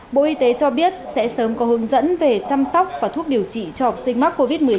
bộ y tế cho biết sẽ sớm có hướng dẫn về chăm sóc và thuốc điều trị cho học sinh mắc covid một mươi chín